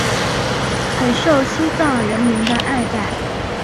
很受西藏人民的爱戴。